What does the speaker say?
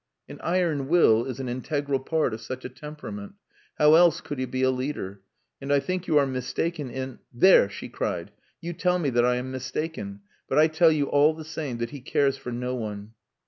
"An iron will is an integral part of such a temperament. How else could he be a leader? And I think that you are mistaken in " "There!" she cried. "You tell me that I am mistaken. But I tell you all the same that he cares for no one."